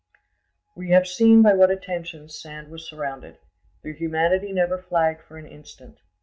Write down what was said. We have seen by what attentions Sand was surrounded; their humanity never flagged for an instant.